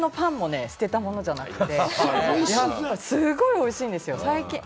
日本のパンも捨てたものじゃないので、すごいおいしいんですよ。